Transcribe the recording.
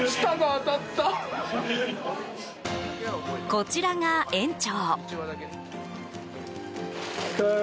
こちらが、園長。